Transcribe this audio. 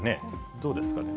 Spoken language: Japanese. どうですかね？